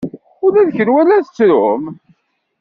Ula d kenwi la tettrum?